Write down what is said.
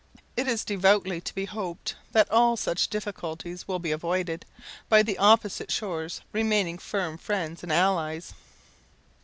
It is devoutly to be hoped that all such difficulties will be avoided, by the opposite shores remaining firm friends and allies.